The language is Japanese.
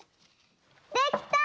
できた！